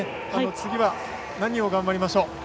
次は何を頑張りましょう。